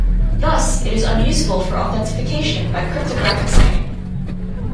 Thus it is unusable for authentication by cryptographic signing.